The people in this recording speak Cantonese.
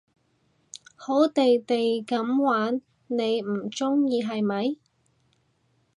好地地噉玩你唔中意係咪？